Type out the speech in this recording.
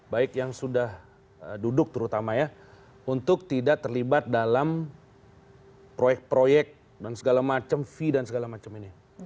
baik yang sudah duduk terutama ya untuk tidak terlibat dalam proyek proyek dan segala macam fee dan segala macam ini